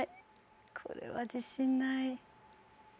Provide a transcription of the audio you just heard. これは自信ない。